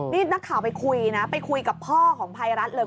นี่นักข่าวไปคุยนะไปคุยกับพ่อของภัยรัฐเลย